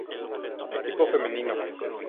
Equipo femenino